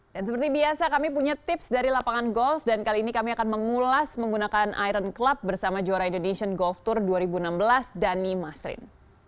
dan seperti biasa kami punya tips dari lapangan golf dan kali ini kami akan mengulas menggunakan iron club bersama juara indonesian golf tour dua ribu enam belas dani masrin